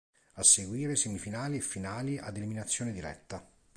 A seguire semifinali e finali ad eliminazione diretta.